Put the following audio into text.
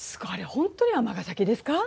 本当に尼崎ですか？